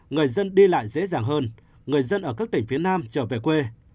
người dân đi lại dễ dàng hơn người dân ở các tỉnh phía nam trở về quê